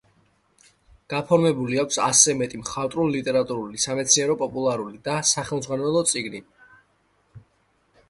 გაფორმებული აქვს ასზე მეტი მხატვრულ-ლიტერატურული, სამეცნიერო-პოპულარული და სახელმძღვანელო წიგნი და გამოცემა.